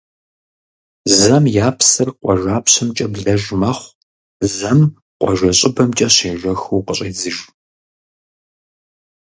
Зэм я псыр къуажапщэмкӀэ блэж мэхъу, зэм къуажэ щӀыбымкӀэ щежэхыу къыщӀедзыж.